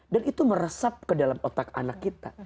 dan itu meresap ke dalam otak anak kita